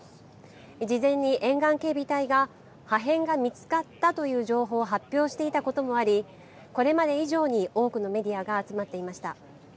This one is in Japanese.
事前に沿岸警備隊が、破片が見つかったという情報を発表していたこともあり、これまで以上に多くのメディアが集まっていました。